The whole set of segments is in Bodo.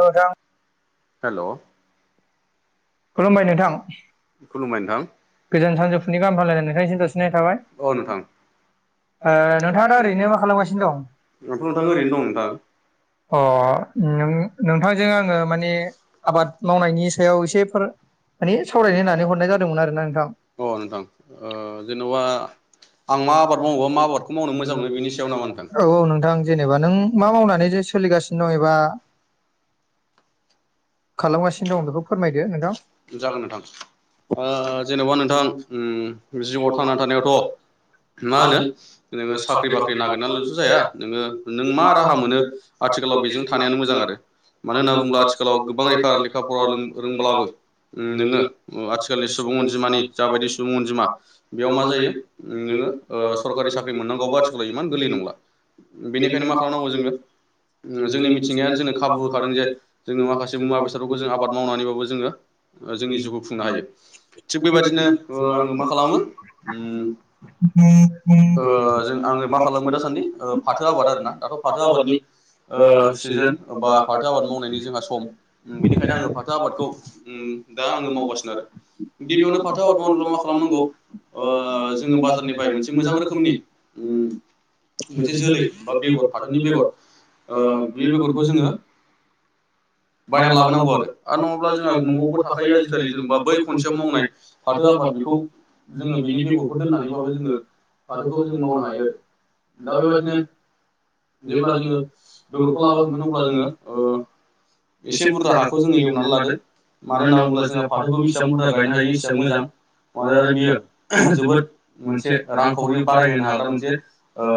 अ हेल' खुलुमबाय नोंथां। खुलुमबाय नोंथां [unintelligible] अ नोंथां ओ नोंथाङा दा ओरैनो मा खालामगासिनो दं? दाथ' नोंथां ओरैनो दं नोंथां। अ नों नोंथांजों आङो माने आबाद मावनायनि सायाव एसेफोर माने सावरायनो होननानै हरनाय जादोंमोन आरो आं। अ नोंथां ओ जेनेवबा [unintelligible] औ औ नोंथां जेनेबा नों मा मावनानै जेस सोलिगासिनो दं एबा खालामगासिनो दं बेखौ फोरमायदो‌ नोंथां? जागोन नोंथां ओ जो जेन'बा नोंथां उम जिउआव थांना थानायावथ' मा होनो नोङो साख्रि बाख्रि नागिरनानैल'सो जाया नोङो नों मा राहा मोनो आथ थिखालाव बेजों थानायानो मोजां आरो मानो होनना बुंब्ला आथिखालाव गोबां सं रैखार लेखा फरा लों रोंब्लाबो उम नोङो ओ आथिखालनि सुबुं अनजिम मानि जा बायदि सुबुं अनजिमा बेयाव मा जायो उम नोङो ओ सरकारि साख्रि मोननांगौबा आथिखालाव इमान गोरलै नंला बेनिखायनो मा खालामनांगौ जोङो ओ‌ जोंनि मिथिंगाया जोंनो खाबु होखादों जे जोङो माखासे जों मा बेसादफोरखौ जों आबाद मावनानैबाबो जोङो ओ जोंनि जिउखौ खुंनो हायो। थिग बेबायदिनो ओ आङो मा खालामो उम ओ जों आङो मा खालामबाय दासान्दि ओ फाथो आबाद आरोना दाथ' फाथो आबादनि ओ सिजोन बा फाथो आबाद मावनायनि जोंहा सम उम बेनिखायनो आङो फाथो आबादखौ उम दा आङो मावगासिनो आरो गिबियावनो फाथो आबाद मावनोब्ला मा खालामनांगौ ओ जोङो बाजारनिफ्राय मोनसे मोजां रोखोमनि उम उम ओस मोनसे जोलै बा बेगरफोरनि बेगर ओ बे बेगरखौ जोङो बायना लाबोनांगौ आरो आरो होनोब्ला जोंहा न'आवबो थाखायो आजिखालि जेनेबा बै खनस से मावनाय फाथो आबाद बेखौ जोङो बिनि बेगरखौ दोननानैबाबो जोङो फाथोखौ जों मावनो हायो दा बेबायदिनो जेब्ला जोङो बेगरखौ लाब्ला हो होनोब्ला जोङो ओ एसे बुरजा हाखौ जोङो एवनानै लादो मानो होनना बुङोब्ला जोंहा फाथोखौ बेसेबां बुरजा गायनो हायो एसेबां मोजां। मानोना बियो जोबोद मोनसे रांखावरि बारायहोनो हाग्रा मोनसे‌ ओ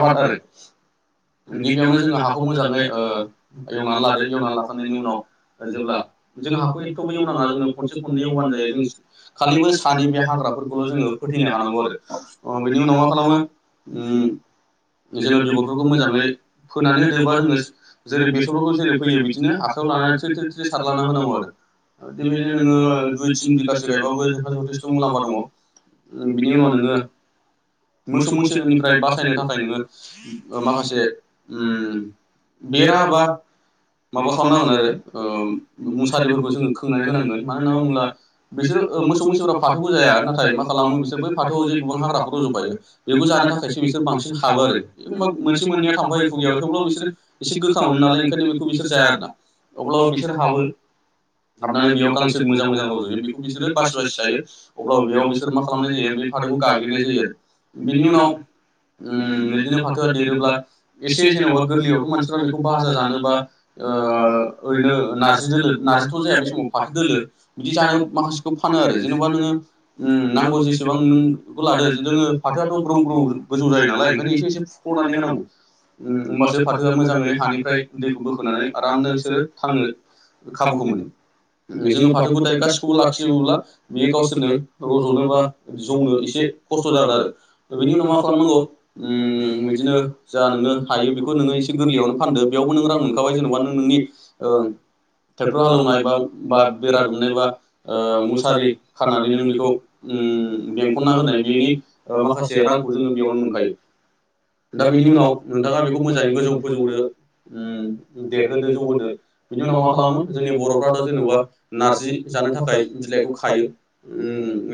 आबाद आरो गिबियावनो जोङो हाखौ मोजाङै ओ एवनानै लादो एवना लाखांनायनि उनाव ओ जेब्ला जेला हाखरनिखौ बे एवना लाग्रोयो खनसे खननै एवबानो जायो जोंस खालिबोस सानो जे हाग्राफोरखौल' जोङो फोथैनो हानांगौ आरो अस अ बेनि बेनि उनाव मा खालामो जोङो बेगरफोरखौ मोजाङै फोनानै होदो बा जोङो जेरै बे बेसरफोरखौ जेरै फोयो बिदिनो आखायाव लानानै थ्रि थ्रि थ्रि सार लाना होनांगौ आरो नोङो दुइ तन बिगासो गायबाबो जोंहा जथेस्थ' मुलाम्फा दङ बिनि उनाव नोङो मोसौ मैसोनिफ्राय बासायनो थाखाय नोङो माखासे बेेराबा माबा खालामनांगोन आरो मुसारिफोरखौ जों खुंनानै होनांगोन मानोहोनना बुंब्ला बिसोरो मोसौ मोसौफ्रा फाथोबो जाया आरो नाथाय मा खालामो बिसोरबो फाथोआव जे गोबां हाग्राखौ दं बोफायो बेखौ जानो थाखायसो बिसोर बांसिन हाबो आरो बा मोनसे मोननैया थांफायो खुगायाव थेवब्लाबो बिसोरो एसे गोखा मोनो नालाय ओंखायनो बेखौ बिसोर जाया आरोना अब्लाबो बिसोर हाबो हाबनानै बेयाव गांसोर मोजां मोजां रजायोयो बेखौ बिसोरो बासि बासि जायो अब्लाबो बेयाव बिसोर मा खालामनाय जायो बे फाथोखौ गाग्लिनाय जायो आरो बेनि उनाव बिदिनो फाथोआ देरोब्ला एसे जेन'बा गोरलैयावथ' मानसिफ्रा बेखौ भाजा जानो बा ओ ओरै नारजि दोलो नारजिथ जाया बे समाव फाथो दोलो बिदि जानो माखासेखौ फानो आरो जेनेबा नोङो नांगौ जेसेबां नों लादो जोङो फाथोआथ' ग्रौ ग्रौ गोजौ जायो नालाय ओंखायनो एसे एसे फुख'नानै होनांगौ होमबासो फाथोआ मोजाङै हानिफ्राय दैखौ बोखोनानै आरामनो बिसोरो थांनो खाबुखौ मोनो जोङो फाथो गथाय गासिखौबो लाखिजोबोब्ला बियो गावसोरनो रज'नो बा जौनो एसे खस्थ' जागोन आरो बिनि उनाव मा खालामनांगौ बिदिनो जा नोङो हायो बेखौ नोङो एसे गोरलैयावनो फानदो बेयावबो नों रां मोनखाबाय जेन'बा नों नोंनि ट्रेक्टर हालौवनाय बा बा बेरा दुमनाय बा मुसारि खानानै नों बेखौ बेंखनना होनाय बेनि माखासे रांखौ जोङो बेयावनो मोनखायो दा बेनि उनाव नोंथाङा बेखौ मोजाङै गोजौ फोजौदो देरहोदो जौहोदो बिनि उनाव मा खालामो जोंनि बर'फ्राथ' जों जेनेबा नारजि जानो थाखाय बिलाइखौ खायो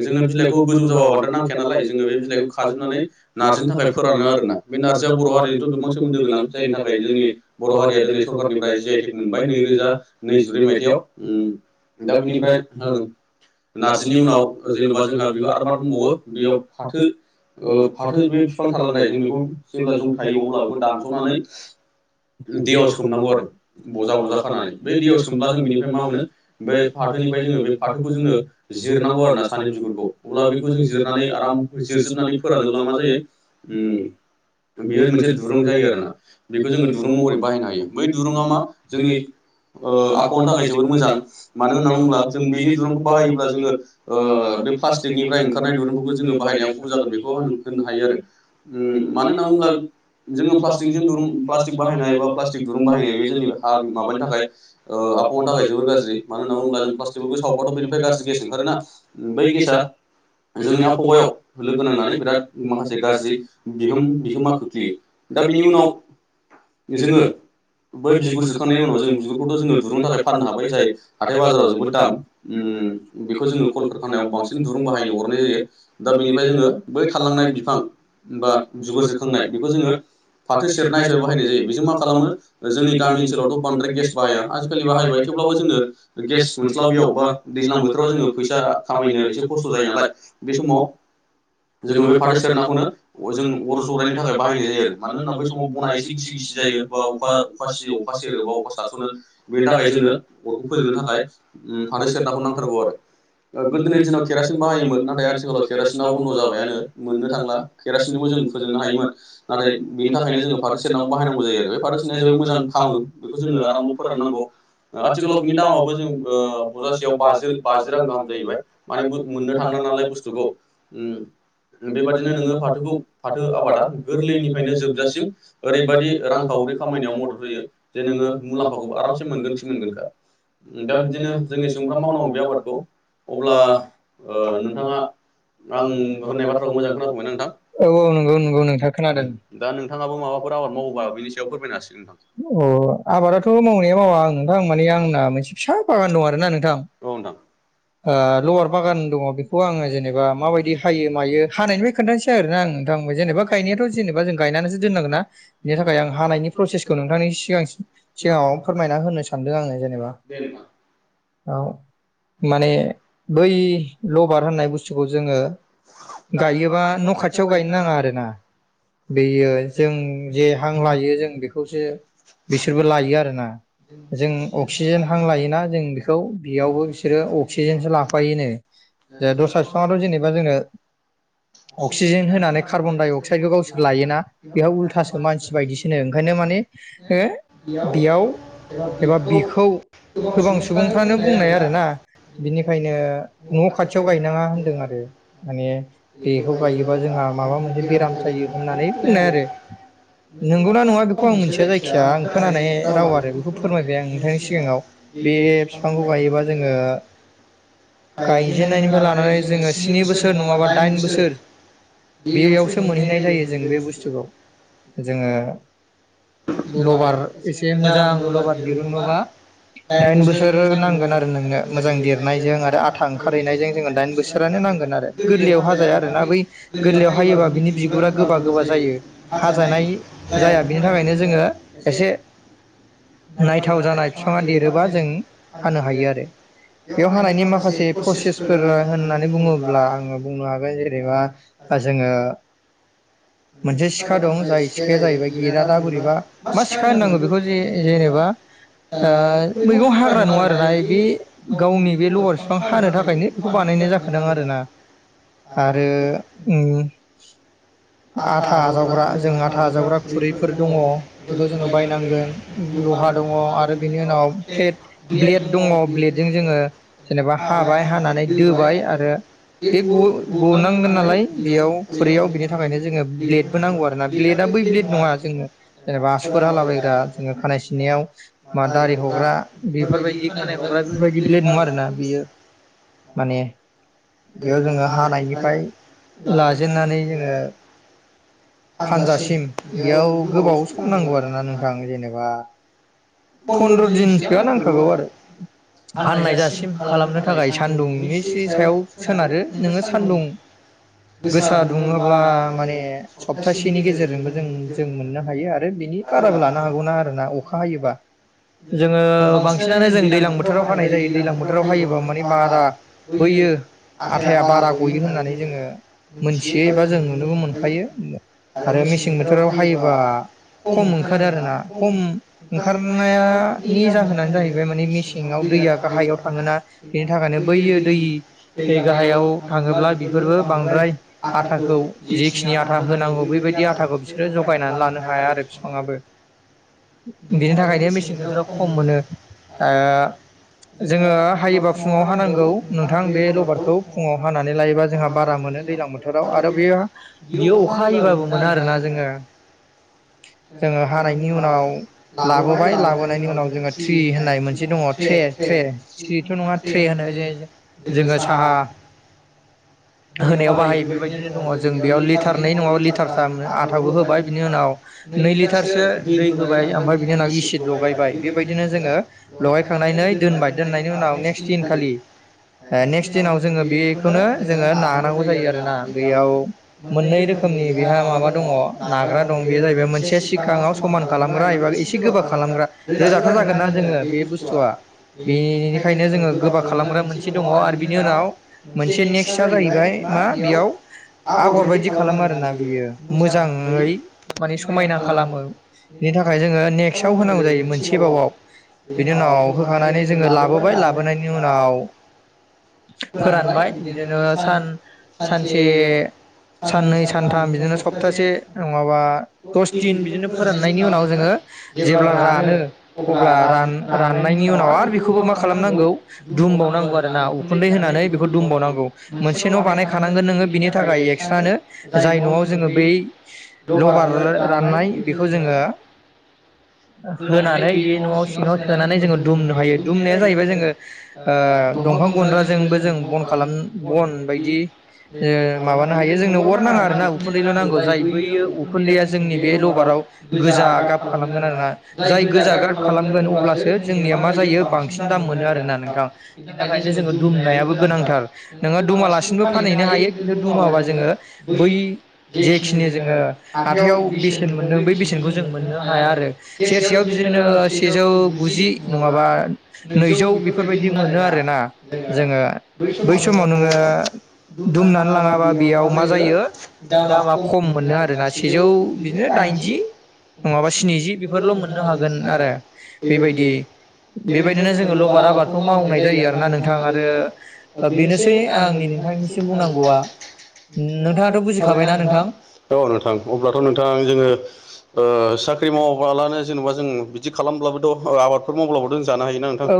जोङो बिलाइखौ गोजौ जाबा बांद्राय नांखाया नालाय जोङो बे बिलाइखौ खाजोबनानै नारजिनि थाखाय फोरानो आरोना बे नारजिया बर' हारिनिथ' गोबां सोमोन्दो गोनां जायनि थाखाय जोंनि बर' हारिया दिनै सरखारनिफ्राय जि आइ टिक मोनबाय नैरोजा नैजिब्रै मायथाइयाव दा बिनिफ्राय नारजिनि उनाव जेनेबा जोंहा बेबो आरो फाद दंबावो बेयाव फाथो फाथो बे बिफां थालांनाय जों बेखौ जेब्ला जौ थायो अब्ला बेखौ दानस'नानै [inaudible] दैयाव सोमनांगौ आरो बजा बजा खानानै बै दैयाव सोमब्ला जों बिनि मा मोनो बे फाथोनिफ्राय जोङो बे फाथोखौ जोङो जिरनांगौ आरोना सानि बिगुरखौ अब्ला बे जों जिरनानै आराम जिरजोबनानै फोरानोब्ला मा जायो बेयो मोनसे दुरुं जायो आरो ना बेखौ जोङो दुरुं महरै बाहायनो हायो बै दुरंआ मा जोंनि ओ आबहावानि थाखाय जोबोर मोजां मानो होननानै बुङोब्ला जों बेनि दुरुंखौ बाहायोब्ला जोङो ओ बे प्लाटिकनिफ्राय ओंखारनाय जों बाहायनायाव खम जागोन बेखौ होननो हायो आरो ओम मानो होनना बुंब्ला जोङो प्लास्टिकजों दुरुं प्लास्टिक बाहायनाय बा प्लासटिक दिरुं बाहायनाय बे जोंनि माबानि थाखाय ओ हावानि थाखाय जोबोर गाज्रि मानो होननानैना बुोब्ला जों प्लास्टिकफोरखौ सावबाथ' बेनिफ्राय गाज्रि गेस ओंखारोना बै गेसा जोंनि आबहावगायाव लोगो नांनानै बिराद माखासे गाज्रि बिहोम बिहोमा खोख्लैयो दा बिनि उनाव जोङो बै बिगुर जिरखांनायनि उनाव जों बिगुरखौथ' जोङो दुरुंनो थाखाय फाननो हाबाय जाय हाथाय बाजाराव जोबोद दाम ओम बेखौ जोङो क कलकर खानायाव बांसिन दुरुं बाहायनो हर दा बेनिफ्राय जोङो बै थालांनाय बिफां बा जुगार जिरखांनाय बेखौ जोङो फाथो सेरनाय हिसाबै बाहायनाय जायो बेजों मा खालामो जोंनि गामि ओनसोलावथ' बांद्राय गेस बाहाया आजिखालि बाहायबाय थेवब्लाबो जोङो गेस मोनस्लाबैयाव बा दैज्लां बोथोराव जोङो फैसा खामायनो एसे खस्थ' जायो नालाय बे समाव जोङो बे फाथो सेरनाखौनो जों अर' जरायनि थाखाय बाहायनाय जायो आरो मानो होना बै समाव खना एसे गिसि गिसि जायो बा अखा अखा सियो अखा सेरो बा अखा सारस'नो बेनि थाखाय जोंनो अरखौ फोजोबनो थाखाय फाथै सेरनाखौ नांथारगौ आरो। गोदोनि दिनाव केरासिन बाहायोमोन नाथाय आथिखालाव केरासिनाव बन्द' जाबायानो मोननो थांला केरासिननि। जों फोजोबनो हायोमोन नाथाय बिनि थाखायनो जोङो। फाथो सेरनाखौबो बाहायनांगौ जायो बे फाथो सेरा जोबोर मोजां खालामामो बेखौ जोङो आरामाव फोराननांगौ। आथिखालाव बिनि दामाबो जों बजासेयावाज बाजि रां गाहाम जाहैबाय माने मोननो थांना नालाय बुस्थुखौ। बेबादिनो नोङो फाथोखौ फाथो आबादा गोरलैनिफ्रायनो जोबजासिम। ओरैबायदि रांखावरि खामानियाव मदद होयो जे नोङो मुलाम्फाखौ आरामसे मोनगोन। मोनगोन दा दा बिदिनो जोंनि सोंग्रा मावनांगौ बे आबादखौ। अब्ला नोंथाङा आं होनाय बाथ्राखौ मोजां खोनादोंना औ औ नंगौ नंगौ नोंथाङ खोनादों। अ आबादाथ' मावनाया मावा आं नोंथां मानानि आंना मोनसे फिसा बागान दं आरोना नोंथां लवार बागान दङ बेखौ आङो जेनेबा माबायदि हायो मायो हानायनिफ्राय खोन्थासै आरोना आङो नोंथां जेनेबा गायनायाथ' जेनेबा जों गायनानैसो दोननांगोना बिनि थाखाय आं हानायनि प्रसेसखौ नोंथांनि सिगां सिगाङाव फोरमायना होनो सान सानदों आङो जेनेबा औ माने बै लबार होननाय बुस्थुखौ जोङो गायोबा न न' खाथियाव गायनो नाङा आरोना बेयो जों जे हां लायो जों बेखौसो बिसोरबो लायो आरोना जों अक्सिजेन हां लायोना जों बेखौ बेयावबो बिसोरो अक्सिजेनसो लाफायोनो। जे दस्रा बिफाङाथ' जेनेबा जोंङो। अक्सिजेन होनानै कार्बन डाइअक्साइदखौ गावसोर लायोना बेहा उल्था सो याव। एबा बेखौ गोबां सुबुंफ्रानो बुंनाय आरो ना। बिनिखायनो न' खाथियाव गायनाङा होनदों आरो माने बेखौ गायोबा जोंहा माबा मोनसे बेराम जायो होननानै बुंनाय आरो नंगौना नङा बेखौ आं मिथिया जायखिया आं खोनानाय राव आरो बेखौ फोरमायबाय आं नोंथांनि सिगाङाव बे बिफांखौ गायोबा जोङो गायजेनन्नायनिफ्राय लानानै जोङो स्नि बोसोर नङाबा दाइन बोसोर बेयावसो मोनहैनाय जायो जों बे बुस्थुखौ जोङो लबार एसे मोजां लबार दिरुनोबा दाइन बोसोर नांगोन आरो नोंनो मोजां देरनायजों आरो आथा ओंखारहैनायजों जोङो दाइन बोसोरानो नांगोन आरो गोरलैयाव हाजाया आरोना बै गोरलैयाव हायोबा बिनि बिगुरा गोबा गोबा जायो। हाजानाय जाया बिनि थाखायनो जोङो एसे नायथाव जानाय बिफाङा देरोबा जों हानो हायो आरो। बेयाव हानायनि माखासे प्रसेसफोर होननानै बुङोब्ला आङो बुंनो हागोन जेनेबा बा जोङो मोनसे सिखा दं जाय सिखाया जाहैबाय गेदा दा बोरैबा मा सिखा होननांगौ बेखौ जे जेने बा ओ मैगं हाग्रा नङा आरोना बे गावनि बे लबार बिफां हानो थाखायनो बेखौ बानाय नाय जाखादों आरोना आरो उम आथा आजावग्रा जों आथा आजावग्रा खुरैफोर दङ बेखौ जोङो बायनांगोन। लहा दङ आरो बेनि उना प्लेट ब्लेड दङ ब्लेदजों जोङो जेनेबा हाबाय हानानै दोबाय आरो बे ग-गनांगोन नालाय बेयाव खुरैयाव बेनि थाखायनो जोङो ब्लेडबो नांगौ आरोना ब्लेडआ बै ब्लेड नङा जोङो जेनेबा आसुगुर हालाबायग्रा जोङो खानाय सिननायाव बा दारि हग्रा बेफोरबायदि खानाय हग्रा बेफोरबायदि ब्लेट नङा आरोना बेयो माने बेयाव जोङो हानायनिफ्राय लाजेननानै जोङो फानजासिम बेयाव गोबाव सम नांगौ आरोना नोंथां जेनेबा फन्द्र दिनसोआ नांखागौ आरो फाननाय जासिम खालामनो थाखाय सान्दुंनि इसे सायाव सोनारो नोङो सान्दुं गोसा दुङोब्ला माने सप्तासेनि गेजेरजोंबो जों जों मोननो हायो आरो बिनि बाराबो लानो हागौना आरोना अखा हायोबा। जोङो बांसिनानो जों दैलां बोथोराव हानाय जायो दैलां बोथोराव हायोबा माने बारा बैयो आथाया बारा गयो होननानै जोङो मोनथियो एबा जों नुनोबो मोनखायो आरो मेसें बोथोराव हायोबा खम ओंखारो आरोना खम ओंखारनायानि जाहोनानो जाहैबाय मानि मेसेङाव दैया गाहायाव थाङोना बेनि थाखायनो बैयो दै दै गाहायाव थाङोब्ला बेफोरबो बांद्राय आथाखौ जेखिनि आथा होनांगौ बैबायदि आथाखौ बिसोरो जगायनानै लानो हाया आरो फिफांआबो। बिनि थाखायनो मेसें बोथोराव खम मोनो ओ जोङो हायोबा फुङाव हानांगौ नोंथां बे ल बारखौ फुङाव हानानै लायोबा जोंहा बारा मोनो दैलां बोथोराव आरो बे बियो अखा हायोबाबो मोना। आरोना जोङो जोङो हानायनि उनाव लाबोबाय लाबोनायनि उनाव जोङो थ्रि होननाय मोनसे दङ थ्रे थ्रे थ्रिथ' नङा थ्रे होनो [unintelligible] जोङो साहा होनायाव बाहायो बेबायदिनो दङ जों बेयाव लिटार नै नङाबा लिटार थाम आथाबो होबाय बिनि उनाव नै लिटारसो दै होबाय आमफाय बिनि उनाव इसिद लगायबाय बेबायदिनो जोङो लगायखांनानै दोनबाय दोननायनि उनाव नेक्स्ट दिनखालि [unintelligible] दिनाव जोङो बेखौनो जोङो नानांगौ जायो आरोना। बेयाव मोननै रोखोमनि बेहा माबा दङ नाग्रा दं बे जाहैबाय मोनसे सिगाङाव समान खालामग्रा एबा एसे गोबा खालामग्रा रोजाथ' जागोन ना जोङो बे बुस्थुआ। बेनिखायनो जोङो गोबा खालामग्रा मोनसे दङ आरो बिनि उनाव मोनसे नेक्स्टआ जाहैबाय मा बेयाव आगर बायदि खालामो आरोना बेयो मोजाङै माने समायना खालामो। बेनि थाखाय जोङो नेक्स्टआव होनांगौ जायो मोनसे बावआव। बिनि उनाव होखांनानै जोङो लाबोबाय लाबोनायनि उनाव फोरानबाय बिदिनो सान सानसे साननै सानथाम बिदिनो सप्तासे नङाबा दस दिन बिदिनो फोराननायनि उनाव जोङो जेब्ला रानो अब्ला रान राननायनि उनाव आरो बेखौबो मा खालामनांगौ दुमबावनां गौआरोना। उखुन्दै होनानै बेखौ दुमबावनांगौ मोनसे न' बानायखानांगोन नोङो बिनि थाखाय एक्सट्रानो जाय न'आव जोङो बै लबार राननाय बेखौ जोङो होनानै बे न'आव सिङाव सोनानै जोङो दुमनो हायो। दुमनाया जाहैबाय जोङो ओ दंफां गुन्द्राजोंबो जों बन खालाम बन बायदि ओ माबानो हायो जोंनो अर नाङा आरो ना उखुन्दैल' नांगौ जाय बैयो उखुन्दैया जोंनि बे लबाराव आव गोजा गाब खालामगोन आरोना जाय गोजा गाब खालामगोन अब्लासो जोंनिया मा जायो बांसिन दाम मोनो आरोना नोंथां। बेनिथाखायनो जोङो दुमनायाबो गोनांथार नोङो दुमालासिनोबो फानहैनो हायो खिन्थु दुमाबा जोङो बै जेखिनि जोङो हाथायाव बेसेन मोनदों बै बेसेनखौ जों मोननो हा हाया आरो सेरसेयाव बिदिनो सेजौ गुजि नङाबा नैजौ बेफोरबायदि। मोनो आरोना जोङो बै समाव नोङो दुमनानै लाङाबा बेयाव मा जायो दामा खम मोनो आरोोना सेजौ बिदिनो बा दाइनजि नङाबा स्निजि बेफोरल' मोननो हागोन आरो बेबायदि बेबायदिनो जोङो लबार आबादखौ मावनाय जायो आरोना नोंथ थां आरो बेनोसै आंनि नोंथांनिसिम बुंनांगौआ नोंथाङाथ' बुजि खाबायना नोंथां। औ नोंथां अब्लाथ' नोंथां जोङो अ ख्रि मावाब्लानो जेन'बा जों बिदि खालामब्लाबो द' आबादफोर मावब्लाबो जों जानो हायो ना नोंथां